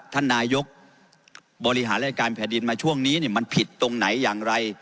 ท่านนายกบริหารรายการแผ่นดินมาช่วงนี้มันผิดตรงไหนอย่างไร